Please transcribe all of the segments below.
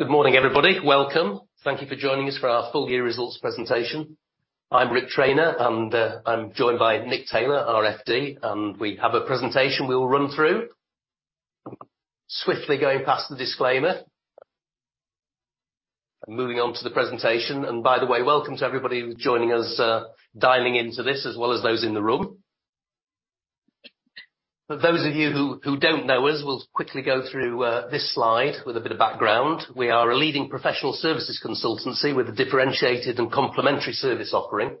Well, good morning, everybody. Welcome. Thank you for joining us for our full year results presentation. I'm Ric Traynor, I'm joined by Nick Taylor, our FD, we have a presentation we'll run through. Swiftly going past the disclaimer, moving on to the presentation. By the way, welcome to everybody who's joining us, dialing into this, as well as those in the room. For those of you who don't know us, we'll quickly go through this slide with a bit of background. We are a leading professional services consultancy with a differentiated and complementary service offering.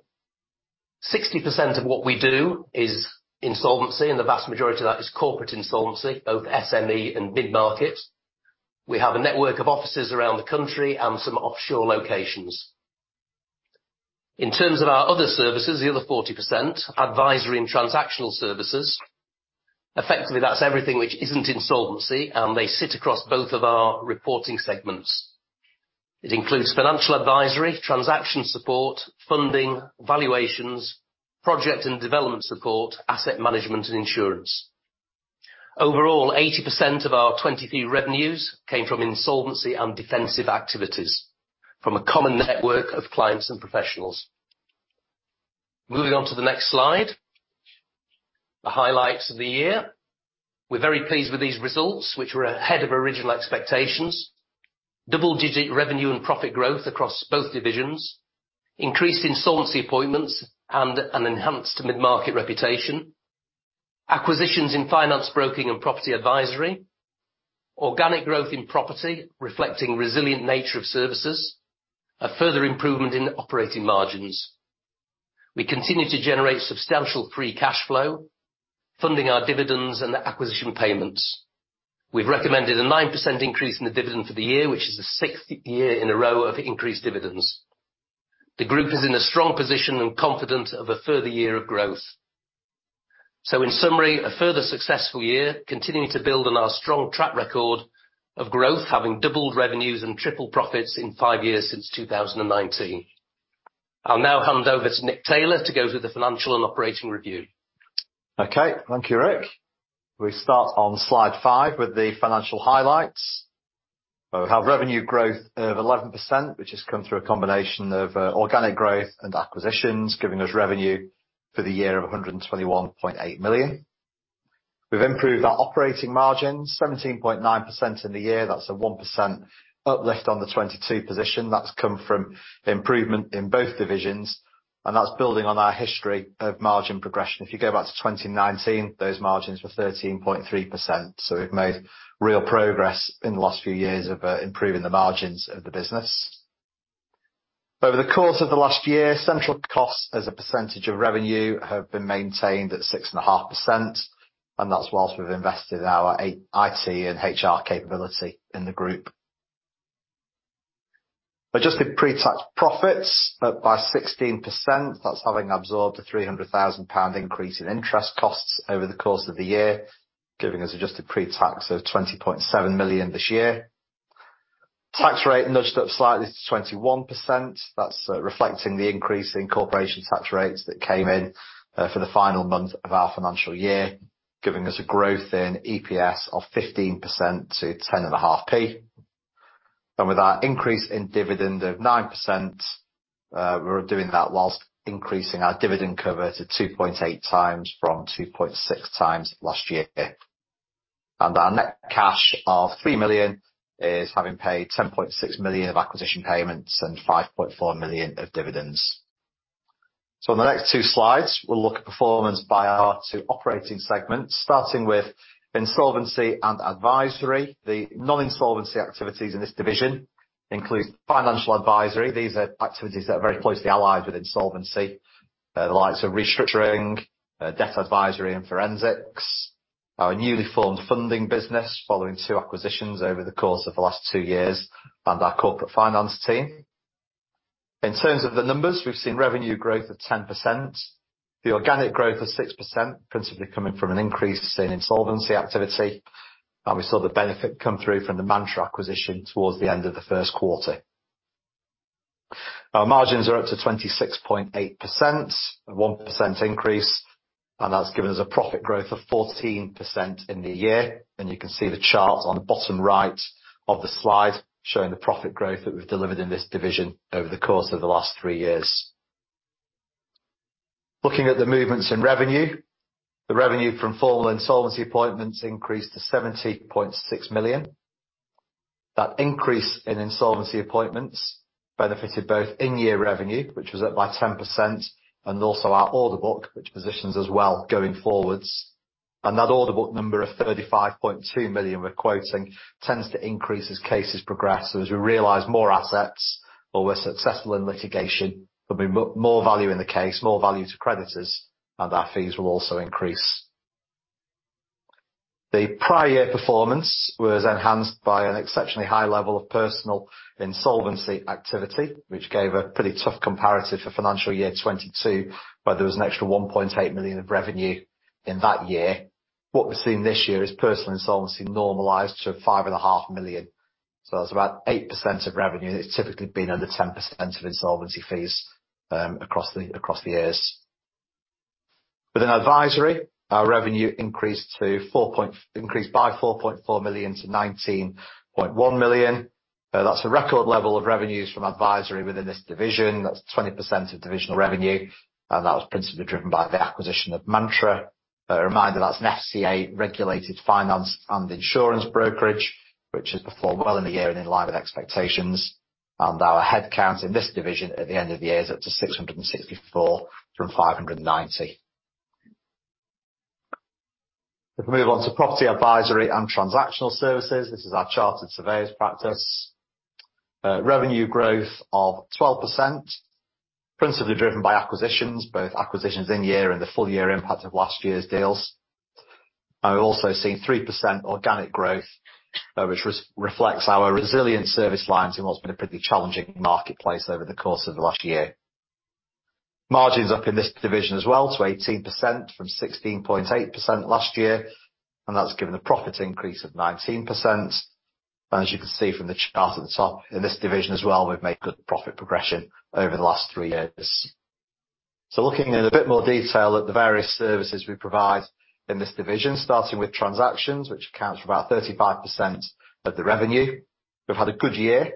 60% of what we do is insolvency, and the vast majority of that is corporate insolvency, both SME and mid-market. We have a network of offices around the country and some offshore locations. In terms of our other services, the other 40%, advisory and transactional services. Effectively, that's everything which isn't insolvency, and they sit across both of our reporting segments. It includes financial advisory, transaction support, funding, valuations, project and development support, asset management, and insurance. Overall, 80% of our 20 fee revenues came from insolvency and defensive activities from a common network of clients and professionals. Moving on to the next slide, the highlights of the year. We're very pleased with these results, which were ahead of original expectations. Double-digit revenue and profit growth across both divisions, increased insolvency appointments and an enhanced mid-market reputation, acquisitions in finance broking and property advisory, organic growth in property, reflecting resilient nature of services, a further improvement in operating margins. We continue to generate substantial free cash flow, funding our dividends and acquisition payments. We've recommended a 9% increase in the dividend for the year, which is the sixth year in a row of increased dividends. The group is in a strong position and confident of a further year of growth. In summary, a further successful year, continuing to build on our strong track record of growth, having doubled revenues and tripled profits in five years since 2019. I'll now hand over to Nick Taylor to go through the financial and operating review. Okay. Thank you, Ric. We start on slide five with the financial highlights. We have revenue growth of 11%, which has come through a combination of organic growth and acquisitions, giving us revenue for the year of 121.8 million. We've improved our operating margins, 17.9% in the year. That's a 1% uplift on the 2022 position. That's come from improvement in both divisions, and that's building on our history of margin progression. If you go back to 2019, those margins were 13.3%, so we've made real progress in the last few years of improving the margins of the business. Over the course of the last year, central costs as a percentage of revenue have been maintained at 6.5%, and that's whilst we've invested in our IT and HR capability in the group. Adjusted pre-tax profits up by 16%, that's having absorbed a 300,000 pound increase in interest costs over the course of the year, giving us adjusted pretax of 20.7 million this year. Tax rate nudged up slightly to 21%. That's reflecting the increase in corporation tax rates that came in for the final month of our financial year, giving us a growth in EPS of 15% to 0.105. With our increase in dividend of 9%, we're doing that whilst increasing our dividend cover to 2.8x from 2.6x last year. Our net cash of 3 million is having paid 10.6 million of acquisition payments and 5.4 million of dividends. In the next two slides, we'll look at performance by our two operating segments, starting with insolvency and advisory. The non-insolvency activities in this division include financial advisory. These are activities that are very closely allied with insolvency, the likes of restructuring, debt advisory and forensics, our newly formed funding business, following two acquisitions over the course of the last two years, and our corporate finance team. In terms of the numbers, we've seen revenue growth of 10%, the organic growth of 6%, principally coming from an increase in insolvency activity, and we saw the benefit come through from the Mantra acquisition towards the end of the first quarter. Our margins are up to 26.8%, a 1% increase, and that's given us a profit growth of 14% in the year. You can see the charts on the bottom right of the slide, showing the profit growth that we've delivered in this division over the course of the last three years. Looking at the movements in revenue, the revenue from formal insolvency appointments increased to 70.6 million. That increase in insolvency appointments benefited both in-year revenue, which was up by 10%, and also our order book, which positions us well going forwards. That order book number of 35.2 million we're quoting, tends to increase as cases progress. As we realize more assets or we're successful in litigation, there'll be more value in the case, more value to creditors, and our fees will also increase. The prior year performance was enhanced by an exceptionally high level of personal insolvency activity, which gave a pretty tough comparative for financial year 2022, where there was an extra 1.8 million of revenue in that year. What we're seeing this year is personal insolvency normalized to 5.5 million, so that's about 8% of revenue, and it's typically been under 10% of insolvency fees across the years. Within advisory, our revenue increased by 4.4 million to 19.1 million. That's a record level of revenues from advisory within this division. That's 20% of divisional revenue, that was principally driven by the acquisition of Mantra. A reminder, that's an FCA-regulated finance and insurance brokerage, which has performed well in the year and in line with expectations. Our headcount in this division at the end of the year is up to 664 from 590. If we move on to property advisory and transactional services, this is our chartered surveyors practice. Revenue growth of 12%, principally driven by acquisitions, both acquisitions in-year and the full year impact of last year's deals. We've also seen 3% organic growth, which reflects our resilient service lines in what's been a pretty challenging marketplace over the course of the last year. Margins up in this division as well to 18% from 16.8% last year, and that's given a profit increase of 19%. As you can see from the chart at the top, in this division as well, we've made good profit progression over the last three years. Looking in a bit more detail at the various services we provide in this division, starting with transactions, which accounts for about 35% of the revenue. We've had a good year.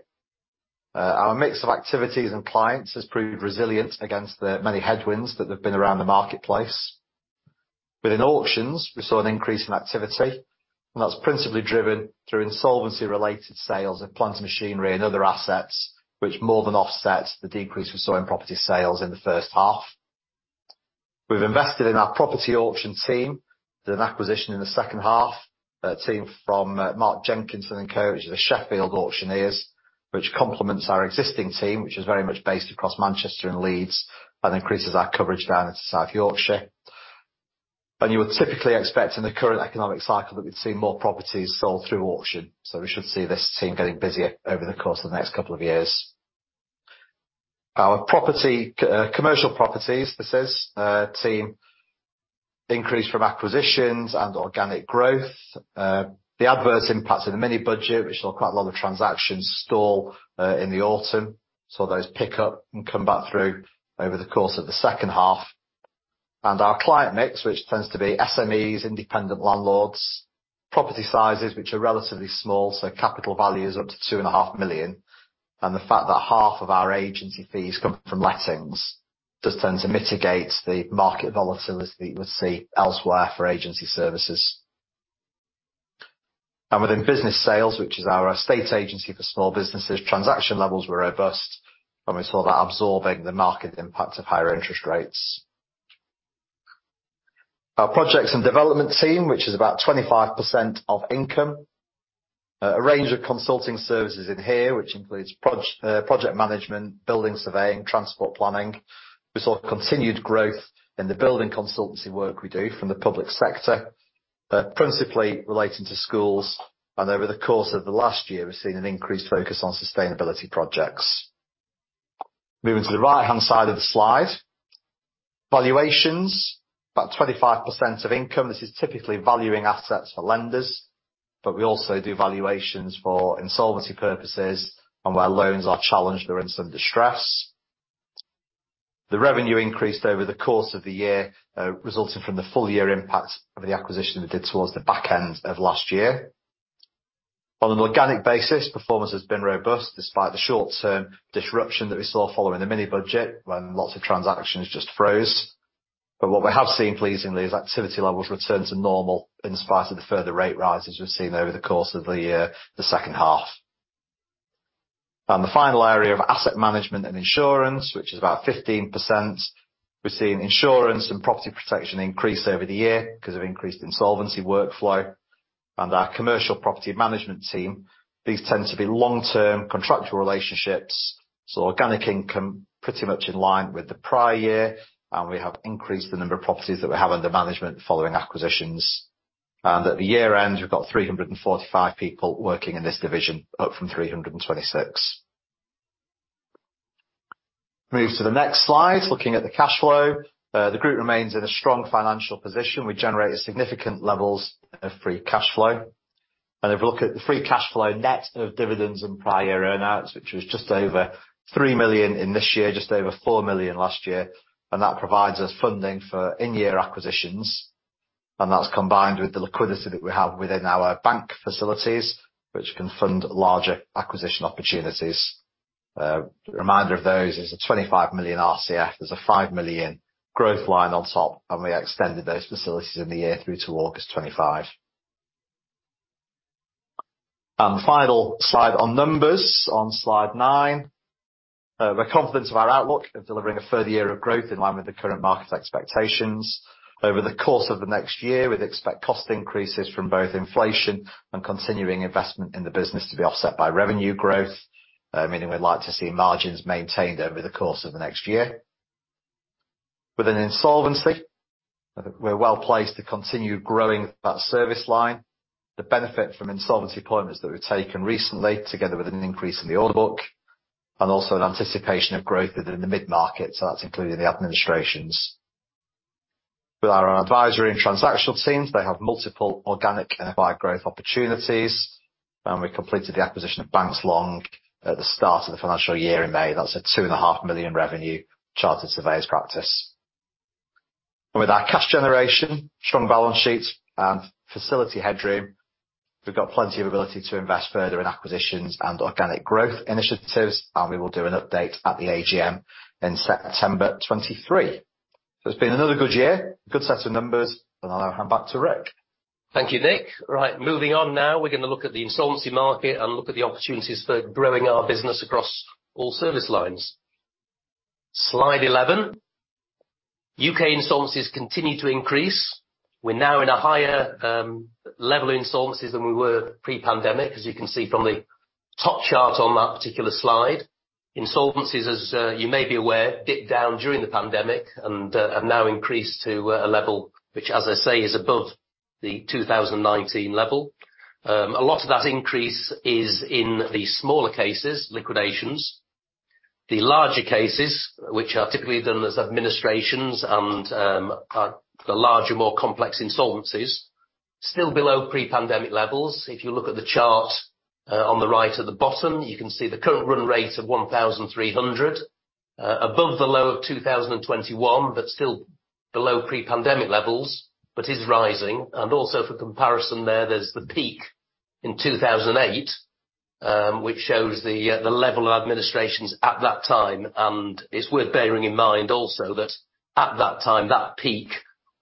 Our mix of activities and clients has proved resilient against the many headwinds that have been around the marketplace. Within auctions, we saw an increase in activity, and that's principally driven through insolvency-related sales of plant and machinery and other assets, which more than offsets the decrease we saw in property sales in the first half. We've invested in our property auction team with an acquisition in the second half, a team from Mark Jenkinson & Son, the Sheffield auctioneers, which complements our existing team, which is very much based across Manchester and Leeds, and increases our coverage down into South Yorkshire. You would typically expect in the current economic cycle that we'd see more properties sold through auction, so we should see this team getting busier over the course of the next couple of years. Our property, commercial properties, that says, team increased from acquisitions and organic growth. The adverse impacts of the mini budget, which saw quite a lot of transactions stall, in the autumn, saw those pick up and come back through over the course of the second half. Our client mix, which tends to be SMEs, independent landlords, property sizes, which are relatively small, so capital values up to 2.5 million, and the fact that half of our agency fees come from lettings, does tend to mitigate the market volatility you would see elsewhere for agency services. Within business sales, which is our estate agency for small businesses, transaction levels were robust, and we saw that absorbing the market impact of higher interest rates. Our projects and development team, which is about 25% of income, a range of consulting services in here, which includes project management, building surveying, transport planning. We saw continued growth in the building consultancy work we do from the public sector, principally relating to schools, and over the course of the last year, we've seen an increased focus on sustainability projects. Moving to the right-hand side of the slide. Valuations, about 25% of income. This is typically valuing assets for lenders, but we also do valuations for insolvency purposes and where loans are challenged, they're in some distress. The revenue increased over the course of the year, resulting from the full year impact of the acquisition we did towards the back end of last year. On an organic basis, performance has been robust despite the short-term disruption that we saw following the Mini-Budget, when lots of transactions just froze. What we have seen pleasingly is activity levels return to normal in spite of the further rate rises we've seen over the course of the year, the second half. The final area of asset management and insurance, which is about 15%, we've seen insurance and property protection increase over the year 'cause of increased insolvency workflow. Our commercial property management team, these tend to be long-term contractual relationships, so organic income pretty much in line with the prior year, and we have increased the number of properties that we have under management following acquisitions. At the year-end, we've got 345 people working in this division, up from 326. Move to the next slide, looking at the cash flow. The group remains in a strong financial position. We generated significant levels of free cash flow. If we look at the free cash flow, net of dividends and prior earn-outs, which was just over 3 million in this year, just over 4 million last year, and that provides us funding for in-year acquisitions, and that's combined with the liquidity that we have within our bank facilities, which can fund larger acquisition opportunities. Reminder of those, there's a 25 million RCF, there's a 5 million growth line on top. We extended those facilities in the year through to August 25. The final slide on numbers, on slide nine. We're confident of our outlook of delivering a further year of growth in line with the current market expectations. Over the course of the next year, we'd expect cost increases from both inflation and continuing investment in the business to be offset by revenue growth, meaning we'd like to see margins maintained over the course of the next year. Within insolvency, we're well placed to continue growing that service line. The benefit from insolvency appointments that we've taken recently, together with an increase in the order book, and also an anticipation of growth within the mid-market, so that's including the administrations. With our advisory and transactional teams, they have multiple organic and acquired growth opportunities. We completed the acquisition of Banks Long at the start of the financial year in May. That's a 2.5 million revenue chartered surveyors practice. With our cash generation, strong balance sheets, and facility headroom, we've got plenty of ability to invest further in acquisitions and organic growth initiatives, and we will do an update at the AGM in September 2023. It's been another good year, good set of numbers, and I'll hand back to Ric. Thank you, Nick. Moving on now, we're gonna look at the insolvency market and look at the opportunities for growing our business across all service lines. Slide 11. U.K. insolvencies continue to increase. We're now in a higher level of insolvencies than we were pre-pandemic, as you can see from the top chart on that particular slide. Insolvencies, as you may be aware, dipped down during the pandemic and have now increased to a level which, as I say, is above the 2019 level. A lot of that increase is in the smaller cases, liquidations. The larger cases, which are typically done as administrations and are the larger, more complex insolvencies, still below pre-pandemic levels. If you look at the chart, on the right at the bottom, you can see the current run rate of 1,300, above the low of 2021, but still below pre-pandemic levels, but is rising. Also for comparison there's the peak in 2008, which shows the level of administrations at that time. It's worth bearing in mind also that at that time, that peak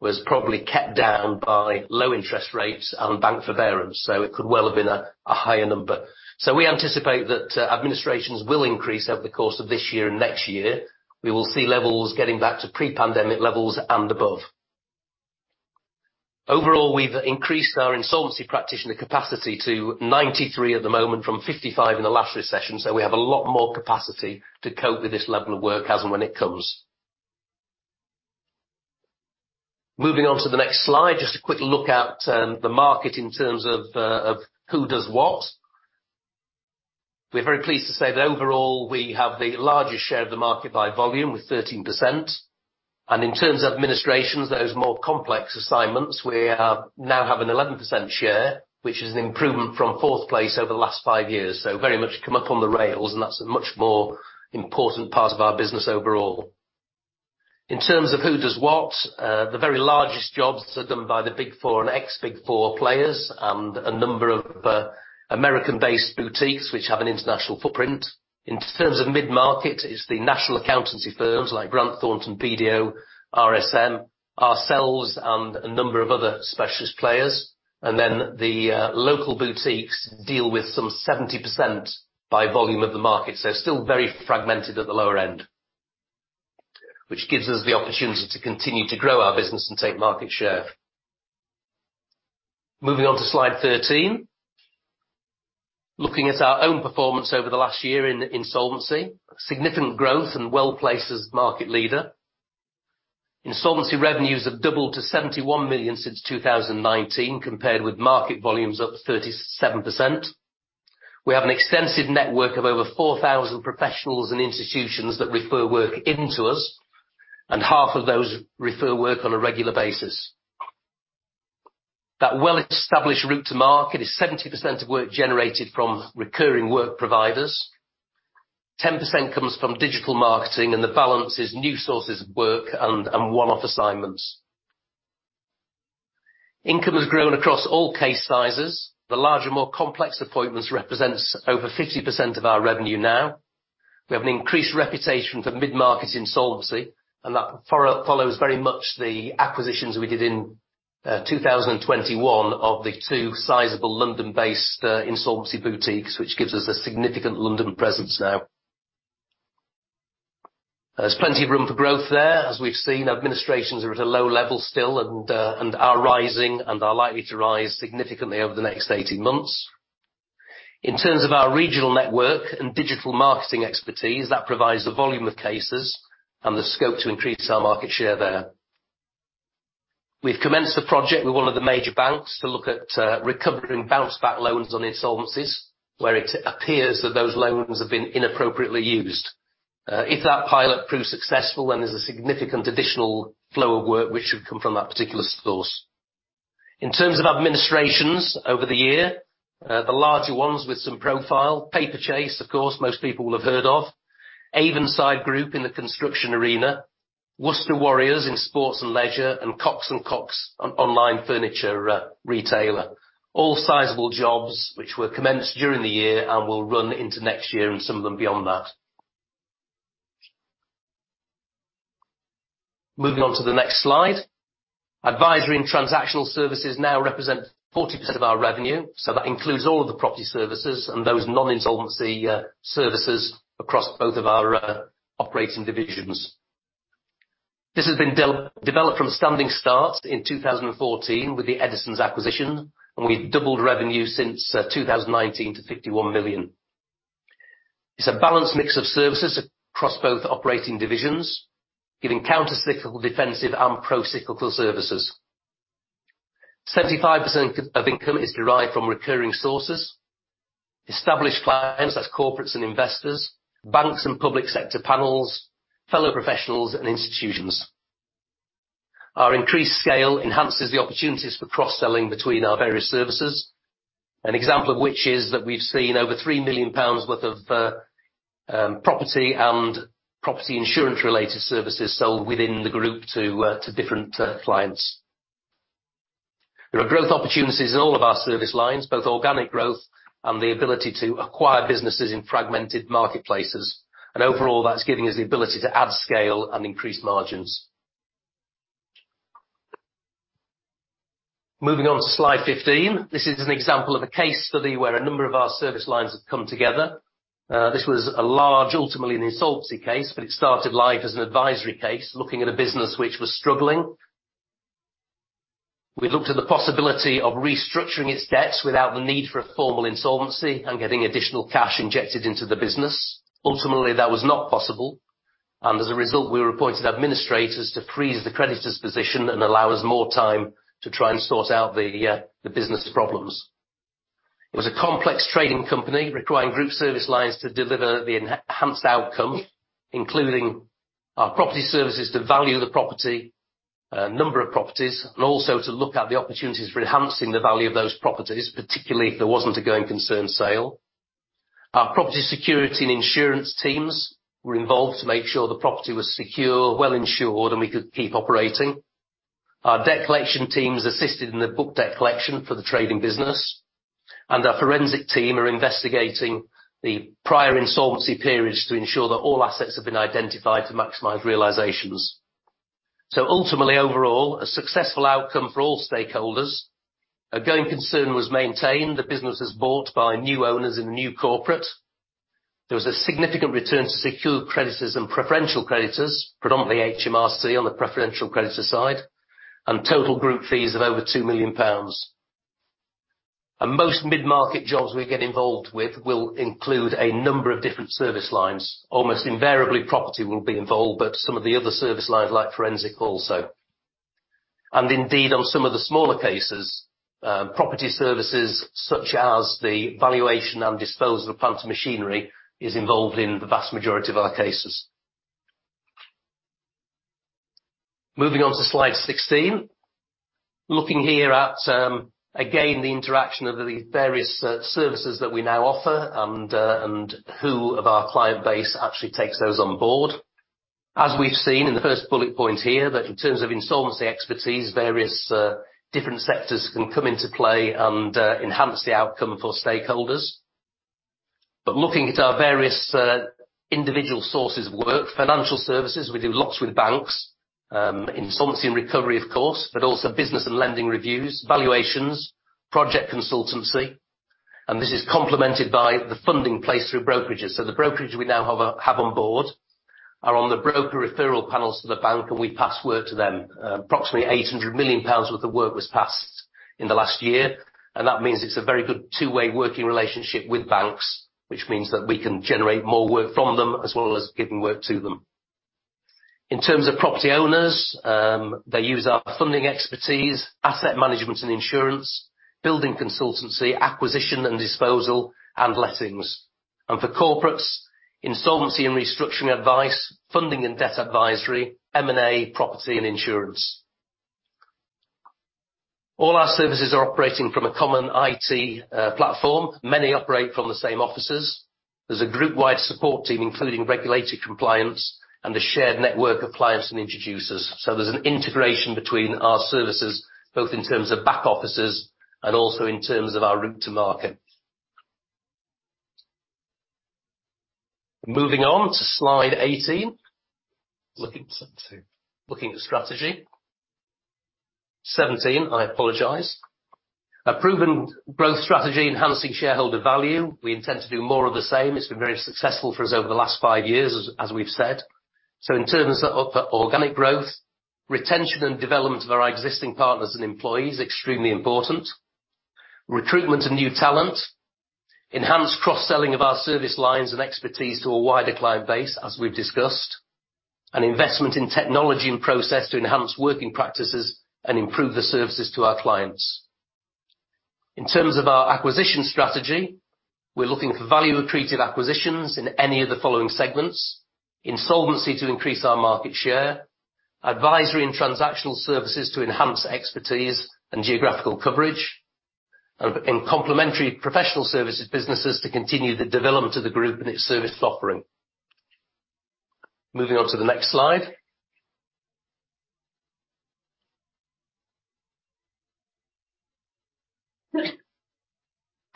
was probably kept down by low interest rates and bank forbearance, so it could well have been a higher number. We anticipate that administrations will increase over the course of this year and next year. We will see levels getting back to pre-pandemic levels and above. Overall, we've increased our insolvency practitioner capacity to 93 at the moment from 55 in the last recession. We have a lot more capacity to cope with this level of work as and when it comes. Moving on to the next slide, just a quick look at the market in terms of who does what. We're very pleased to say that overall, we have the largest share of the market by volume, with 13%. In terms of administrations, those more complex assignments, we now have an 11% share, which is an improvement from fourth place over the last five years. Very much come up on the rails, and that's a much more important part of our business overall. In terms of who does what, the very largest jobs are done by the Big 4 and ex-Big 4 players, and a number of American-based boutiques, which have an international footprint. In terms of mid-market, it's the national accountancy firms like Grant Thornton, BDO, RSM, ourselves, and a number of other specialist players. The local boutiques deal with some 70% by volume, of the market. Still very fragmented at the lower end, which gives us the opportunity to continue to grow our business and take market share. Moving on to slide 13. Looking at our own performance over the last year in insolvency, significant growth and well-placed as market leader. Insolvency revenues have doubled to 71 million since 2019, compared with market volumes up 37%. We have an extensive network of over 4,000 professionals and institutions that refer work into us. Half of those refer work on a regular basis. That well-established route to market is 70% of work generated from recurring work providers, 10% comes from digital marketing, and the balance is new sources of work and one-off assignments. Income has grown across all case sizes. The larger, more complex appointments represents over 50% of our revenue now. We have an increased reputation for mid-market insolvency. That follows very much the acquisitions we did in 2021 of the two sizable London-based insolvency boutiques, which gives us a significant London presence now. There's plenty of room for growth there. As we've seen, administrations are at a low level still, and are rising, and are likely to rise significantly over the next 18 months. In terms of our regional network and digital marketing expertise, that provides the volume of cases and the scope to increase our market share there. We've commenced a project with one of the major banks to look at recovering Bounce Back Loans on insolvencies, where it appears that those loans have been inappropriately used. If that pilot proves successful, then there's a significant additional flow of work which should come from that particular source. In terms of administrations over the year, the larger ones with some profile, Paperchase, of course, most people will have heard of. Avonside Group in the construction arena, Worcester Warriors in sports and leisure, and Cox & Cox, an online furniture retailer. All sizable jobs, which were commenced during the year and will run into next year, and some of them beyond that. Moving on to the next slide. Advisory and transactional services now represent 40% of our revenue, so that includes all of the property services and those non-insolvency services across both of our operating divisions. This has been developed from standing start in 2014 with the Eddisons acquisition, and we've doubled revenue since 2019 to 51 million. It's a balanced mix of services across both operating divisions, giving counter-cyclical, defensive, and pro-cyclical services. 75% of income is derived from recurring sources, established clients, that's corporates and investors, banks and public sector panels, fellow professionals and institutions. Our increased scale enhances the opportunities for cross-selling between our various services. An example of which is that we've seen over 3 million pounds worth of property and property insurance-related services sold within the group to different clients. There are growth opportunities in all of our service lines, both organic growth and the ability to acquire businesses in fragmented marketplaces, and overall, that's giving us the ability to add scale and increase margins. Moving on to slide 15, this is an example of a case study where a number of our service lines have come together. This was a large, ultimately, an insolvency case, but it started live as an advisory case, looking at a business which was struggling. We looked at the possibility of restructuring its debts without the need for a formal insolvency and getting additional cash injected into the business. Ultimately, that was not possible, and as a result, we were appointed administrators to freeze the creditor's position and allow us more time to try and sort out the business problems. It was a complex trading company, requiring group service lines to deliver the enhanced outcome, including our property services, to value the property, number of properties, and also to look at the opportunities for enhancing the value of those properties, particularly if there wasn't a going concern sale. Our property security and insurance teams were involved to make sure the property was secure, well-insured, and we could keep operating. Our debt collection teams assisted in the book debt collection for the trading business, and our forensic team are investigating the prior insolvency periods to ensure that all assets have been identified to maximize realizations. Ultimately, overall, a successful outcome for all stakeholders. A going concern was maintained. The business is bought by new owners in a new corporate. There was a significant return to secure creditors and preferential creditors, predominantly HMRC, on the preferential creditor side, and total group fees of over 2 million pounds. Most mid-market jobs we get involved with will include a number of different service lines. Almost invariably, property will be involved, but some of the other service lines, like forensic, also. Indeed, on some of the smaller cases, property services, such as the valuation and disposal of plant and machinery, is involved in the vast majority of our cases. Moving on to slide 16. Looking here at, again, the interaction of the various services that we now offer and who of our client base actually takes those on board. As we've seen in the first bullet point here, that in terms of insolvency expertise, various different sectors can come into play and enhance the outcome for stakeholders. Looking at our various individual sources of work, financial services, we do lots with banks, insolvency and recovery, of course, but also business and lending reviews, valuations, project consultancy, and this is complemented by the funding place through brokerages. The brokerage we now have on board are on the broker referral panels to the bank, and we pass work to them. Approximately 800 million pounds worth of work was passed in the last year, and that means it's a very good two-way working relationship with banks, which means that we can generate more work from them, as well as giving work to them. In terms of property owners, they use our funding expertise, asset management and insurance, building consultancy, acquisition and disposal, and lettings, and for corporates, insolvency and restructuring advice, funding and debt advisory, M&A, property, and insurance. All our services are operating from a common IT platform. Many operate from the same offices. There's a group-wide support team, including regulated compliance and a shared network of clients and introducers. There's an integration between our services, both in terms of back offices and also in terms of our route to market. Moving on to slide 18. Looking to strategy. 17, I apologize. A proven growth strategy, enhancing shareholder value. We intend to do more of the same. It's been very successful for us over the last five years, as we've said. In terms of organic growth, retention and development of our existing partners and employees, extremely important. Recruitment of new talent, enhanced cross-selling of our service lines and expertise to a wider client base, as we've discussed, and investment in technology and process to enhance working practices and improve the services to our clients. In terms of our acquisition strategy, we're looking for value-accretive acquisitions in any of the following segments: insolvency to increase our market share, advisory and transactional services to enhance expertise and geographical coverage, and complementary professional services businesses to continue the development of the group and its service offering. Moving on to the next slide.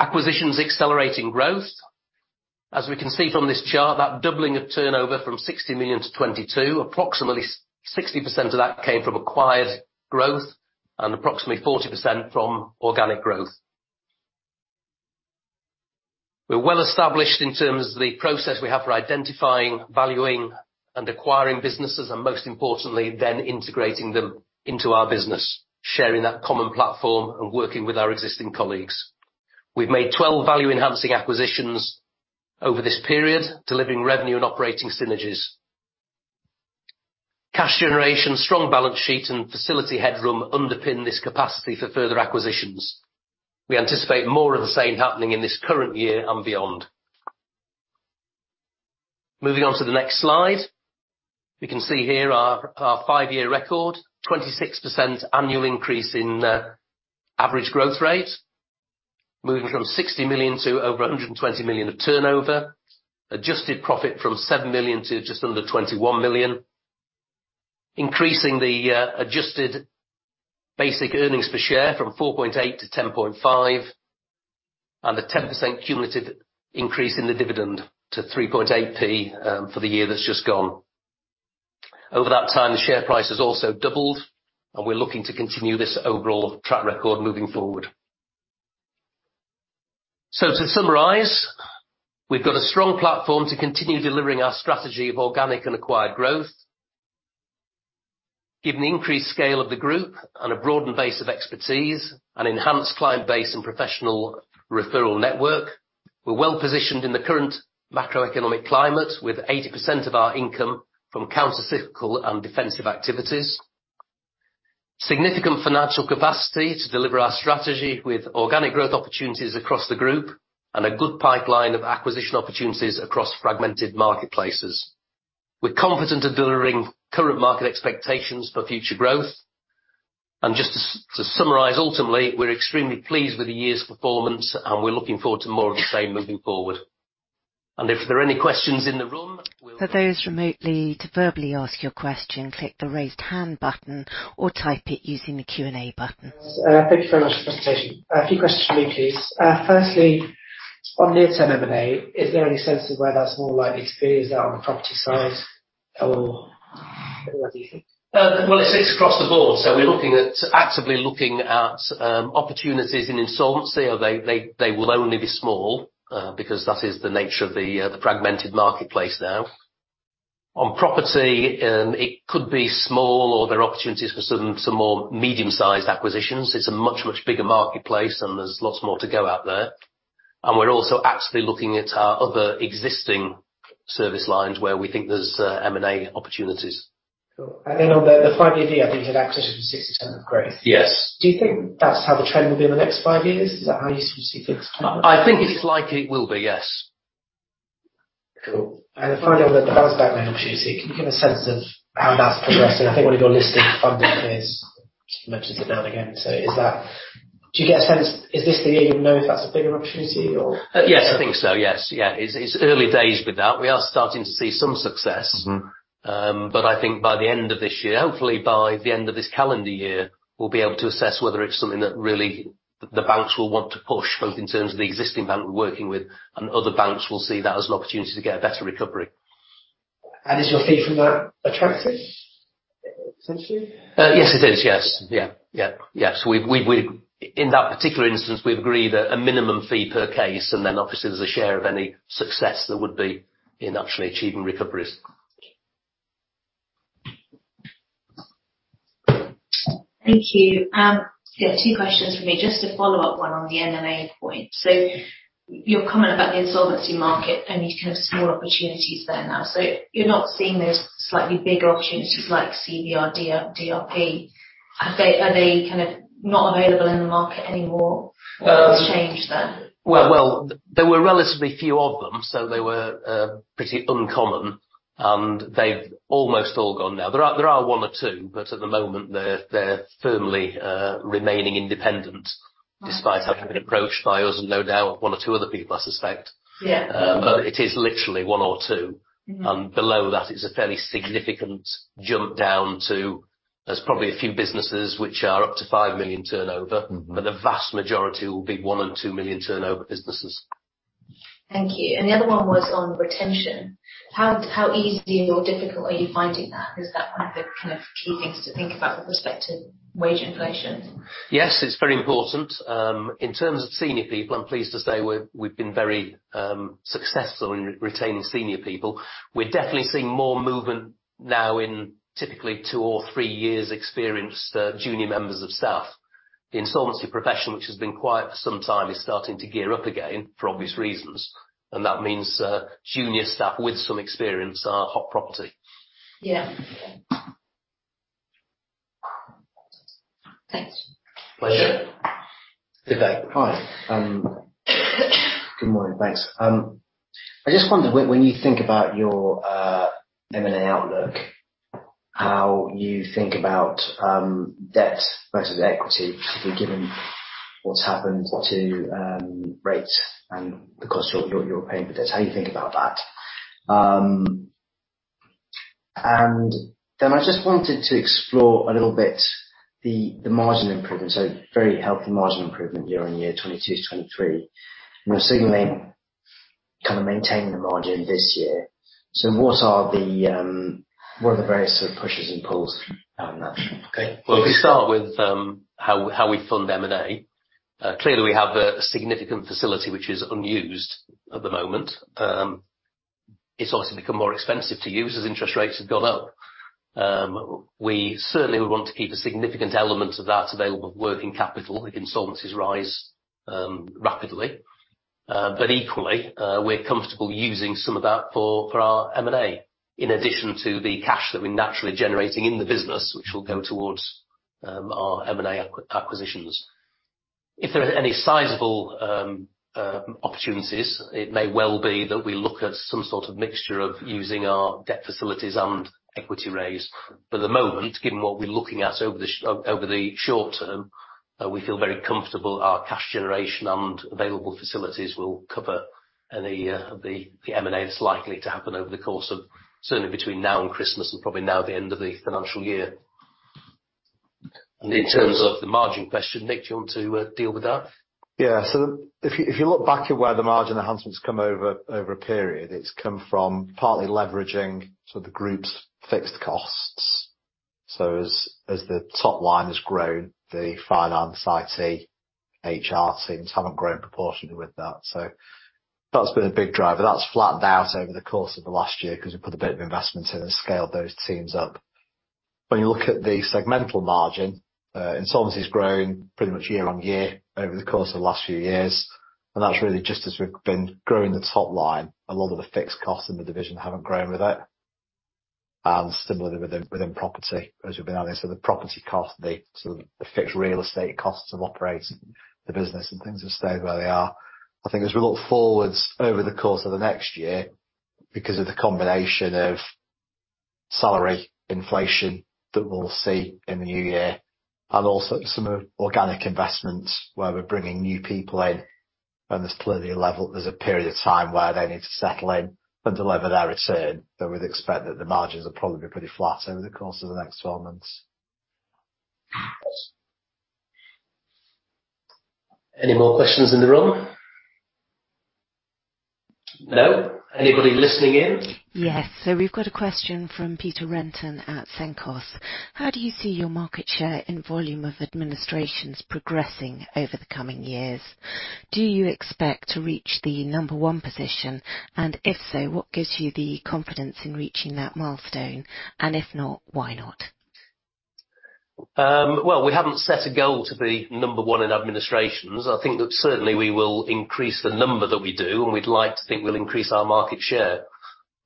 Acquisitions accelerating growth. As we can see from this chart, that doubling of turnover from 60 million to 22, approximately 60% of that came from acquired growth and approximately 40% from organic growth. We're well established in terms of the process we have for identifying, valuing, and acquiring businesses, and most importantly, then integrating them into our business, sharing that common platform and working with our existing colleagues. We've made 12 value-enhancing acquisitions over this period, delivering revenue and operating synergies. Cash generation, strong balance sheet, and facility headroom underpin this capacity for further acquisitions. We anticipate more of the same happening in this current year and beyond. Moving on to the next slide. We can see here our five-year record, 26% annual increase in average growth rate, moving from 60 million to over 120 million of turnover. Adjusted profit from 7 million to just under 21 million. Increasing the adjusted basic EPS from 4.8-10.5, and a 10% cumulative increase in the dividend to 3.8, for the year that's just gone. Over that time, the share price has also doubled. We're looking to continue this overall track record moving forward. To summarize, we've got a strong platform to continue delivering our strategy of organic and acquired growth. Given the increased scale of the group and a broadened base of expertise and enhanced client base and professional referral network, we're well positioned in the current macroeconomic climate, with 80% of our income from countercyclical and defensive activities. Significant financial capacity to deliver our strategy with organic growth opportunities across the group and a good pipeline of acquisition opportunities across fragmented marketplaces. We're confident in delivering current market expectations for future growth, and just to summarize, ultimately, we're extremely pleased with the year's performance, and we're looking forward to more of the same moving forward. If there are any questions in the room, we'll. For those remotely, to verbally ask your question, click the Raise Hand button or type it using the Q&A button. Thank you very much for the presentation. A few questions for me, please. Firstly, on near-term M&A, is there any sense of where that's more likely to be? Is that on the property side, or where do you think? Well, it's across the board. We're actively looking at opportunities in insolvency, although they will only be small because that is the nature of the fragmented marketplace now. On property, it could be small, or there are opportunities for some more medium-sized acquisitions. It's a much bigger marketplace. There's lots more to go out there. We're also actively looking at our other existing service lines where we think there's M&A opportunities. Cool. Then on the five-year view, I think you had access to 60% of growth. Yes. Do you think that's how the trend will be in the next five years? Is that how you foresee things playing out? I think it's likely it will be, yes. Cool. Finally, on the Bounce Back Loan opportunity, can you give a sense of how that's progressing? I think one of your listed funding peers mentioned it now and again. Is that, do you get a sense, is this the year you'll know if that's a bigger opportunity or? Yes, I think so. Yes, yeah. It's early days with that. We are starting to see some success. Mm-hmm. I think by the end of this year, hopefully by the end of this calendar year, we'll be able to assess whether it's something that really the banks will want to push, both in terms of the existing bank we're working with, and other banks will see that as an opportunity to get a better recovery. Is your fee for that attractive, essentially? yes, it is. Yes. Yeah. Yes. We've... In that particular instance, we've agreed at a minimum fee per case, and then obviously, there's a share of any success that would be in actually achieving recoveries. Thank you. Yeah, two questions for me. Just to follow up, one on the M&A point. You're comment about the insolvency market and these kind of small opportunities there now. You're not seeing those slightly bigger opportunities like CVR, DR, DRP. Are they, are they kind of not available in the market anymore? Um- has changed then? Well, well, there were relatively few of them, so they were pretty uncommon, and they've almost all gone now. There are one or two, but at the moment, they're firmly, remaining independent... Mm. despite having been approached by us and no doubt one or two other people, I suspect. Yeah. it is literally one or two. Mm. Below that, it's a fairly significant jump down to. There's probably a few businesses which are up to 5 million turnover. Mm-hmm. The vast majority will be 1 million and 2 million turnover businesses. Thank you. The other one was on retention. How easy or difficult are you finding that? Is that one of the kind of key things to think about with respect to wage inflation? Yes, it's very important. In terms of senior people, I'm pleased to say we've been very successful in retaining senior people. We're definitely seeing more movement now in typically two or three years experienced, junior members of staff. The insolvency profession, which has been quiet for some time, is starting to gear up again, for obvious reasons, and that means junior staff with some experience are hot property. Yeah. Thanks. Pleasure. Good day. Hi. Good morning, thanks. I just wonder, when you think about your M&A outlook, how you think about debt versus equity, given what's happened to rates and the cost you're paying, but just how you think about that. I just wanted to explore a little bit the margin improvement, so very healthy margin improvement year-on-year, 2022-2023. You're signaling, kind of maintaining the margin this year. What are the various sort of pushes and pulls out of that? Okay. Well, if we start with how we fund M&A, clearly, we have a significant facility which is unused at the moment. It's obviously become more expensive to use as interest rates have gone up. We certainly would want to keep a significant element of that available working capital if insolvencies rise rapidly. Equally, we're comfortable using some of that for our M&A, in addition to the cash that we're naturally generating in the business, which will go towards our M&A acquisitions. If there are any sizable opportunities, it may well be that we look at some sort of mixture of using our debt facilities and equity raise. At the moment, given what we're looking at over the short term, we feel very comfortable our cash generation and available facilities will cover any of the M&A that's likely to happen over the course of certainly between now and Christmas, and probably now, the end of the financial year. In terms of the margin question, Nick, do you want to deal with that? Yeah. If you look back at where the margin enhancements come over a period, it's come from partly leveraging sort of the group's fixed costs. As the top line has grown, the finance, IT, HR teams haven't grown proportionately with that. That's been a big driver. That's flattened out over the course of the last year because we put a bit of investment in and scaled those teams up. When you look at the segmental margin, insolvency's grown pretty much year-on-year over the course of the last few years, and that's really just as we've been growing the top line. A lot of the fixed costs in the division haven't grown with it. Similarly, within property, as you'll be aware. The property cost, the sort of the fixed real estate costs of operating the business and things have stayed where they are. I think as we look forwards over the course of the next year, because of the combination of salary inflation that we'll see in the new year, and also some of organic investments where we're bringing new people in, and there's clearly a period of time where they need to settle in and deliver their return, so we'd expect that the margins will probably be pretty flat over the course of the next 12 months. Any more questions in the room? No. Anybody listening in? Yes. We've got a question from Peter Renton at Cenkos. How do you see your market share in volume of administrations progressing over the coming years? Do you expect to reach the number one position, and if so, what gives you the confidence in reaching that milestone? If not, why not? Well, we haven't set a goal to be number one in administrations. I think that certainly we will increase the number that we do, and we'd like to think we'll increase our market share.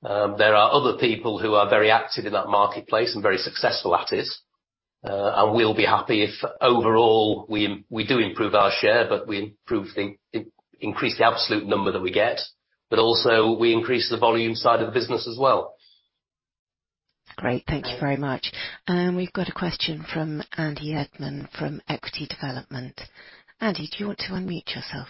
There are other people who are very active in that marketplace and very successful at it, and we'll be happy if overall, we do improve our share, but we improve the increase the absolute number that we get, but also we increase the volume side of the business as well. Great, thank you very much. We've got a question from Andy Edmond from Equity Development. Andy, do you want to unmute yourself?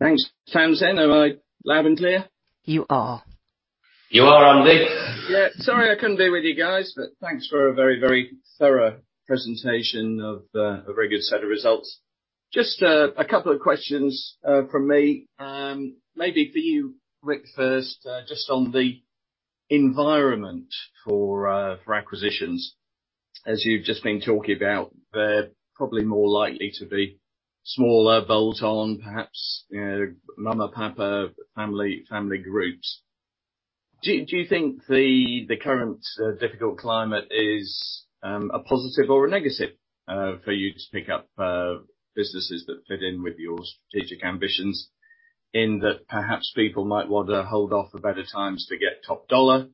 Thanks, Tamzin. Am I loud and clear? You are. You are, Andy. Sorry, I couldn't be with you guys, but thanks for a very, very thorough presentation of a very good set of results. Just a couple of questions from me, maybe for you, Ric, first, just on the environment for acquisitions. As you've just been talking about, they're probably more likely to be smaller, bolt-on, perhaps, you know, mama, papa, family groups. Do you think the current difficult climate is a positive or a negative for you to pick up businesses that fit in with your strategic ambitions? In that, perhaps people might want to hold off for better times to get top dollar,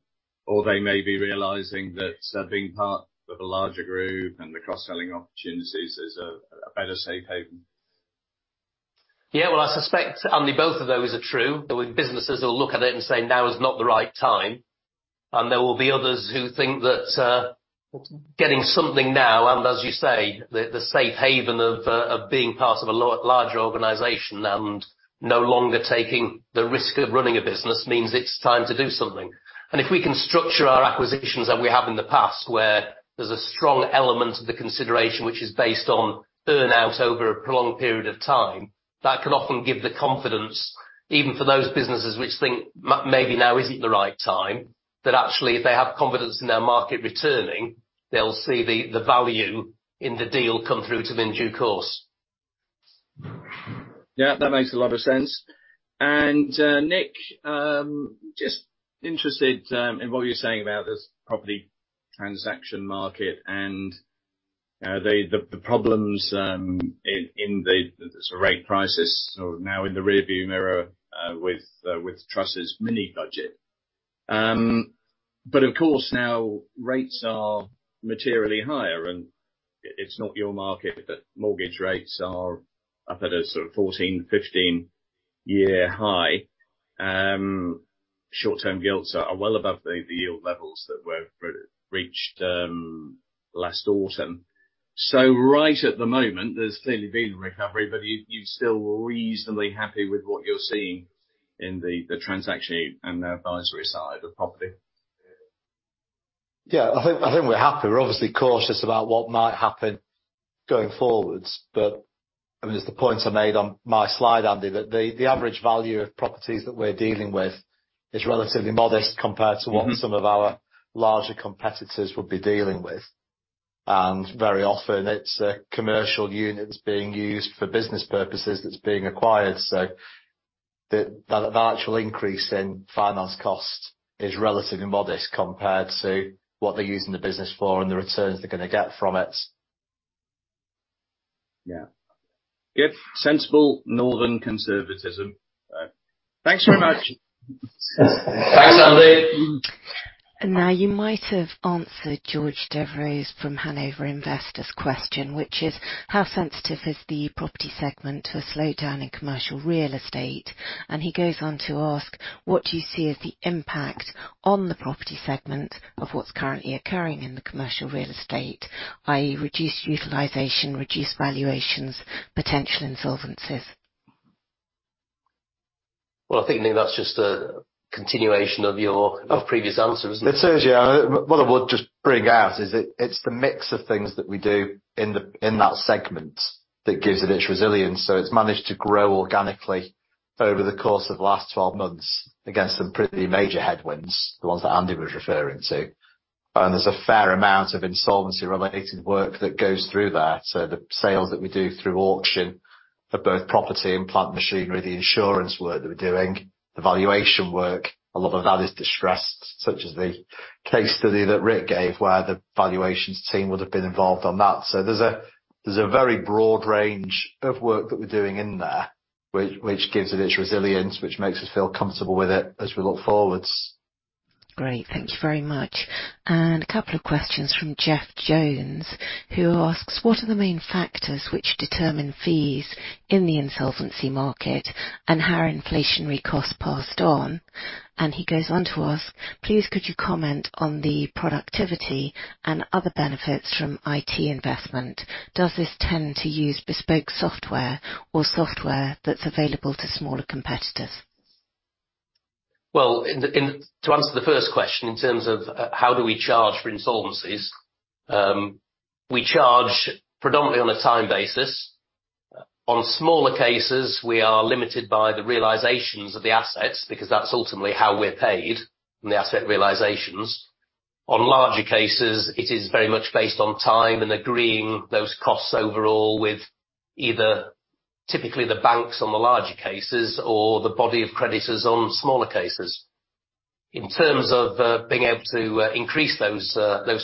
or they may be realizing that being part of a larger group and the cross-selling opportunities is a better safe haven. Yeah, well, I suspect, Andy, both of those are true. There will be businesses who will look at it and say, "Now is not the right time," and there will be others who think that getting something now, and as you say, the safe haven of being part of a larger organization and no longer taking the risk of running a business, means it's time to do something. If we can structure our acquisitions that we have in the past, where there's a strong element of the consideration, which is based on earn-out over a prolonged period of time, that can often give the confidence, even for those businesses which think maybe now isn't the right time, that actually, if they have confidence in their market returning, they'll see the value in the deal come through to them in due course. Yeah, that makes a lot of sense. Nick, just interested in what you're saying about this property transaction market and the problems in the sort of rate prices are now in the rearview mirror with Truss's mini budget. Of course, now rates are materially higher, and it's not your market, but mortgage rates are up at a sort of 14, 15-year high. Short-term gilts are well above the yield levels that were reached last autumn. Right at the moment, there's clearly been a recovery, but are you still reasonably happy with what you're seeing in the transaction and the advisory side of property? Yeah, I think we're happy. We're obviously cautious about what might happen going forward, but, I mean, just the points I made on my slide, Andy, that the average value of properties that we're dealing with is relatively modest compared to what. Mm-hmm... some of our larger competitors would be dealing with. Very often it's commercial units being used for business purposes that's being acquired, so the actual increase in finance cost is relatively modest compared to what they're using the business for and the returns they're gonna get from it. Yeah. Good, sensible northern conservatism. Thanks very much! Thanks, Andy. Now, you might have answered George Devereux from Hanover Investors question, which is: How sensitive is the property segment to a slowdown in commercial real estate? He goes on to ask: What do you see as the impact on the property segment of what's currently occurring in the commercial real estate, i.e., reduced utilization, reduced valuations, potential insolvencies? Well, I think, Neil, that's just a continuation of your, of previous answer, isn't it? It is, yeah. What I would just bring out is it's the mix of things that we do in that segment that gives it its resilience. It's managed to grow organically over the course of the last 12 months against some pretty major headwinds, the ones that Andy was referring to. There's a fair amount of insolvency-related work that goes through there. The sales that we do through auction of both property and plant machinery, the insurance work that we're doing, the valuation work, a lot of that is distressed, such as the case study that Ric gave, where the valuations team would have been involved on that. There's a very broad range of work that we're doing in there, which gives it its resilience, which makes us feel comfortable with it as we look forwards. Great. Thank you very much. A couple of questions from Jeff Jones, who asks: What are the main factors which determine fees in the insolvency market, and how are inflationary costs passed on? He goes on to ask: Please, could you comment on the productivity and other benefits from IT investment? Does this tend to use bespoke software or software that's available to smaller competitors? To answer the first question, in terms of how do we charge for insolvencies, we charge predominantly on a time basis. On smaller cases, we are limited by the realizations of the assets, because that's ultimately how we're paid, on the asset realizations. On larger cases, it is very much based on time and agreeing those costs overall with either typically the banks on the larger cases or the body of creditors on smaller cases. In terms of being able to increase those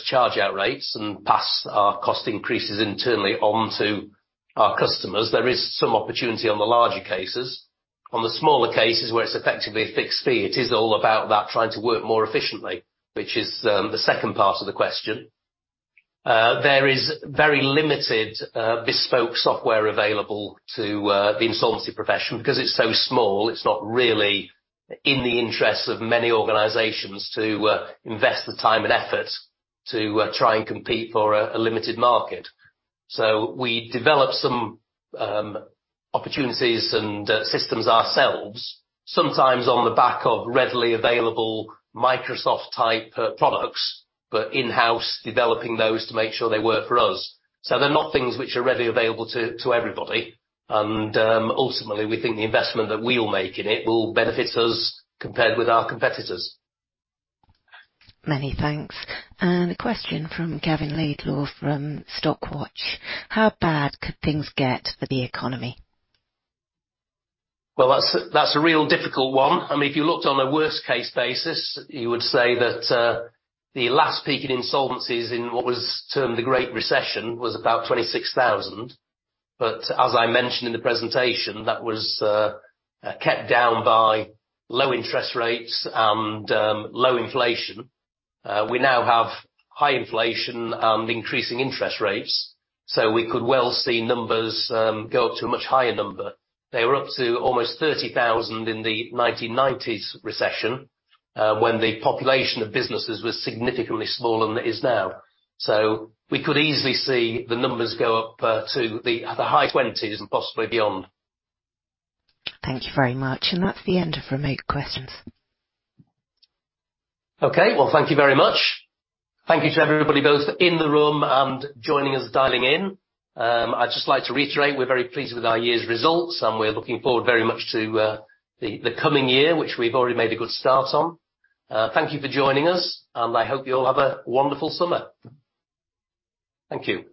charge-out rates and pass our cost increases internally on to our customers, there is some opportunity on the larger cases. On the smaller cases, where it's effectively a fixed fee, it is all about that trying to work more efficiently, which is the second part of the question. There is very limited bespoke software available to the insolvency profession. Because it's so small, it's not really in the interests of many organizations to invest the time and effort to try and compete for a limited market. We develop some opportunities and systems ourselves, sometimes on the back of readily available Microsoft-type products, but in-house, developing those to make sure they work for us. They're not things which are readily available to everybody, and ultimately, we think the investment that we will make in it will benefit us compared with our competitors. Many thanks. A question from Gavin Laidlaw from Stockwatch: How bad could things get for the economy? Well, that's a real difficult one. I mean, if you looked on a worst-case basis, you would say that the last peak in insolvencies in what was termed the Great Recession, was about 26,000. As I mentioned in the presentation, that was kept down by low interest rates and low inflation. We now have high inflation and increasing interest rates, so we could well see numbers go up to a much higher number. They were up to almost 30,000 in the 1990s recession, when the population of businesses was significantly smaller than it is now. We could easily see the numbers go up to the high 20s and possibly beyond. Thank you very much. That's the end of remote questions. Okay. Well, thank you very much. Thank you to everybody, both in the room and joining us dialing in. I'd just like to reiterate, we're very pleased with our year's results. We're looking forward very much to the coming year, which we've already made a good start on. Thank you for joining us. I hope you all have a wonderful summer. Thank you.